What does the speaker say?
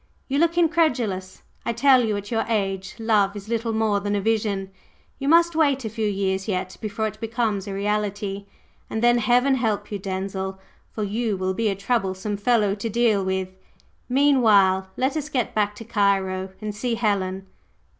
You look incredulous. I tell you at your age love is little more than a vision; you must wait a few years yet before it becomes a reality, and then Heaven help you, Denzil! for you will be a troublesome fellow to deal with! Meanwhile, let us get back to Cairo and see Helen."